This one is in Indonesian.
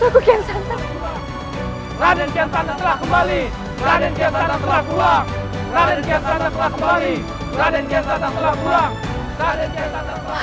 raden kian santang telah kembali